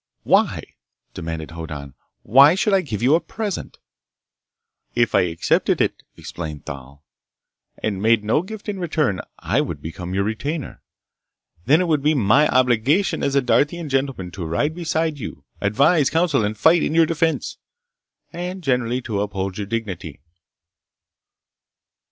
"Why?" demanded Hoddan. "Why should I give you a present?" "If I accepted it," explained Thal, "and made no gift in return, I would become your retainer. Then it would be my obligation as a Darthian gentleman to ride beside you, advise, counsel, and fight in your defense, and generally to uphold your dignity."